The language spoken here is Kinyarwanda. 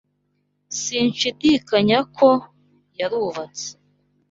Sinshidikanya ko yarubatse.